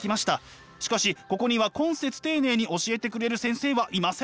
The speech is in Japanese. しかしここには懇切丁寧に教えてくれる先生はいません。